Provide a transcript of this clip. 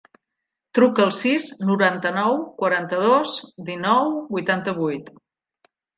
Truca al sis, noranta-nou, quaranta-dos, dinou, vuitanta-vuit.